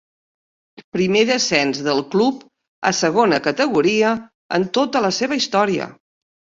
Primer descens del club a segona categoria en tota la seva història.